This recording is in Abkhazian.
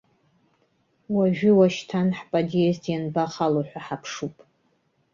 Уажәы-уашьҭан ҳподиезд ианбахало ҳәа ҳаԥшуп.